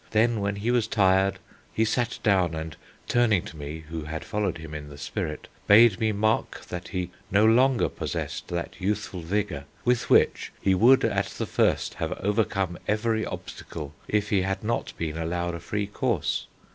Then, when he was tired, he sat down, and, turning to me, who had followed him in the spirit, bade me mark that he no longer possessed that youthful vigour with which he would at the first have overcome every obstacle, if he had not been allowed a free course.